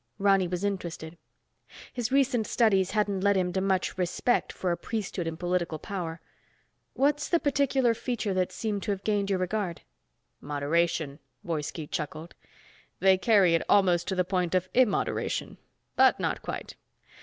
Ronny was interested. His recent studies hadn't led him to much respect for a priesthood in political power. "What's the particular feature that's seemed to have gained your regard?" "Moderation," Woiski chuckled. "They carry it almost to the point of immoderation. But not quite.